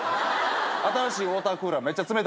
新しいウオータークーラーめっちゃ冷たいぞ。